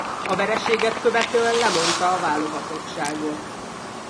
A vereséget követően lemondta a válogatottságot.